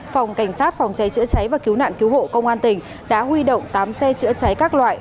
phòng cảnh sát phòng cháy chữa cháy và cứu nạn cứu hộ công an tỉnh đã huy động tám xe chữa cháy các loại